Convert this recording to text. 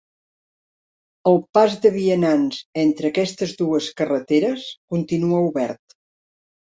El pas de vianants entre aquestes dues carreteres continua obert.